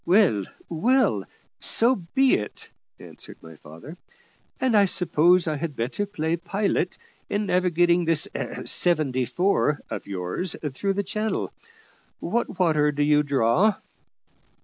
"Well, well, so be it," answered my father; "and I suppose I had better play pilot in navigating this `seventy four' of yours through the channel. What water do you draw?"